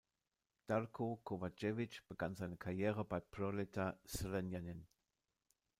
Darko Kovačević begann seine Karriere bei Proleter Zrenjanin.